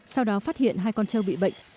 sau đó phát hiện hai con trâu bị bệnh